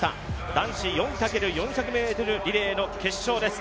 男子４×４００ｍリレーの決勝です。